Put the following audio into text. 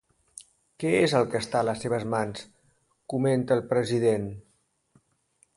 Què és el que està a les seves mans, comenta el president?